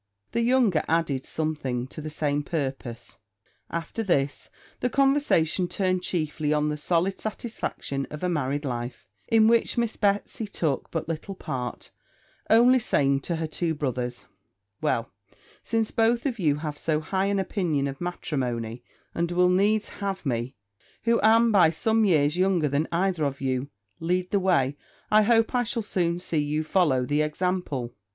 The younger added something to the same purpose. After this the conversation turned chiefly on the solid satisfaction of a married life, in which Miss Betsy took but little part, only saying to her two brothers, 'Well, since both of you have so high an opinion of matrimony, and will needs have me, who am by some years younger than either of you, lead the way, I hope I shall soon see you follow the example.'